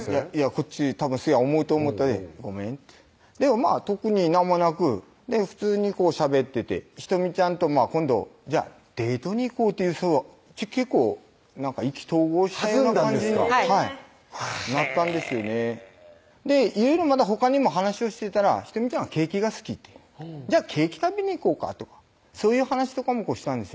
こっちたぶん思うと思ったで「ごめん」ってでも特に何もなく普通にこうしゃべってて仁美ちゃんと今度デートに行こうという結構意気投合したような弾んだんですかなったんですよねへぇいろいろまだほかにも話をしてたら仁美ちゃんは「ケーキが好き」って「じゃあケーキ食べに行こうか」とかそういう話とかもしたんですよ